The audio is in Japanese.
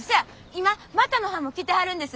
今股野はんも来てはるんです。